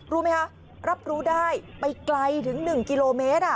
รู้ไหมคะรับรู้ได้ไปไกลถึง๑กิโลเมตร